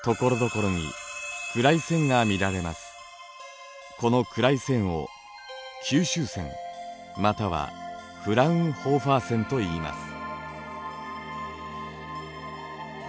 この暗い線を吸収線またはフラウンホーファー線といいます。